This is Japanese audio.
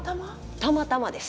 たまたまです。